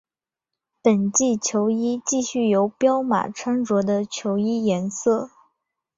本季球衣继续由彪马穿着的球衣颜色。